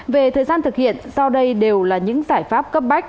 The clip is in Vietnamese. về thời gian thực hiện do đây đều là những giải pháp cấp bách